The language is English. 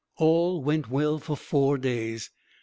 All went well for four days.